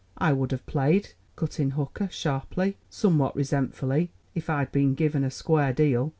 "I would have played," cut in Hooker sharply, somewhat resentfully, "if I'd been given a square deal.